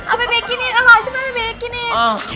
อ่ะบิบิกินอีกอร่อยใช่ไหมบิบิกินอีก